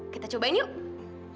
kita cobain yuk